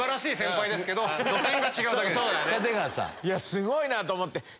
いやすごいなと思って。